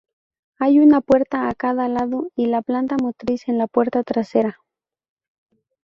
Hay una puerta a cada lado y la planta motriz en la parte trasera.